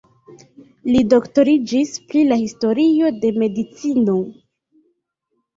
Li doktoriĝis pri la historio de medicino.